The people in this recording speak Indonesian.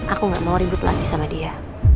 aku gak mau ribut lagi sama dia